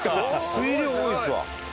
水量多いですわ。